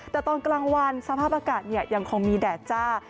แต่ตอนกลางวันสภาพอากาศยังคงมีแดดจ้า